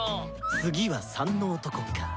次は「３」の男か。